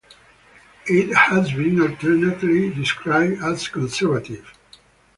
It has been alternately described as conservative and libertarian.